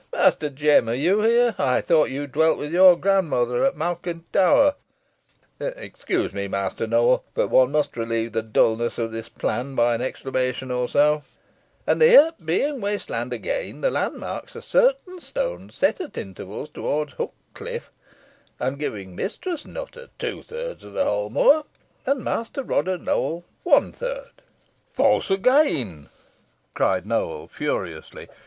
Master Jem, are you here? I thought you dwelt with your grandmother at Malkin Tower excuse me, Master Nowell, but one must relieve the dulness of this plan by an exclamation or so and here being waste land again, the landmarks are certain stones set at intervals towards Hook Cliff, and giving Mistress Nutter two thirds of the whole moor, and Master Roger Nowell one third." "False again," cried Nowell, furiously.